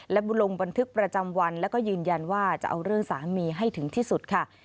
และลงบันทึกประจำวันแล้วก็ยืนยันว่าจะเอาเรื่องสามีให้ถึงที่สุดค่ะ